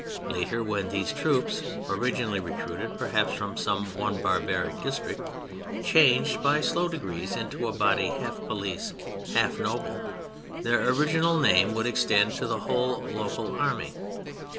Later, when these troops—originally recruited perhaps from some one barbaric district—changed by slow degrees into a body half police, half noble, their original name would extend to the whole local army.